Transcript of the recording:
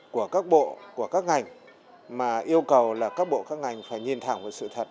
của các bộ của các ngành mà yêu cầu là các bộ các ngành phải nhìn thẳng vào sự thật